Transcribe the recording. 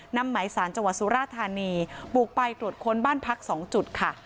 นำหมายสารจังหวัดสุราธานีบุกไปตรวจค้นบ้านพัก๒จุดค่ะ